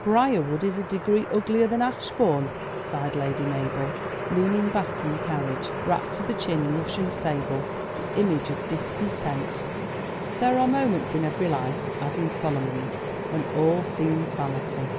"Briarwood is a degree uglier than Ashbourne," sighed Lady Mabel, leaning back in the carriage, wrapped to the chin in Russian sable, the image of discontent. There are moments in every life, as in Solomon's, when all seems vanity.